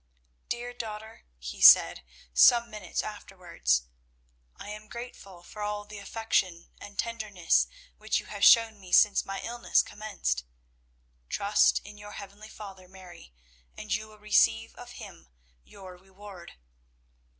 "Dear daughter," he said, some minutes afterwards, "I am grateful for all the affection and tenderness which you have shown me since my illness commenced. Trust in your heavenly Father, Mary, and you will receive of Him your reward.